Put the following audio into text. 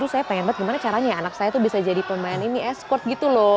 saya pengen banget gimana caranya anak saya tuh bisa jadi pemain ini esports gitu loh